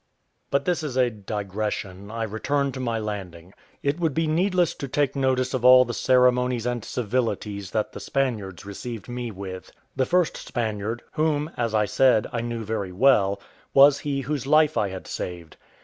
But this is a digression: I return to my landing. It would be needless to take notice of all the ceremonies and civilities that the Spaniards received me with. The first Spaniard, whom, as I said, I knew very well, was he whose life I had saved.